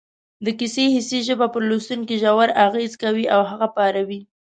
د کیسې حسي ژبه پر لوستونکي ژور اغېز کوي او هغه پاروي